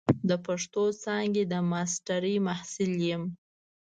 د پښتو څانګې د ماسترۍ محصل یم.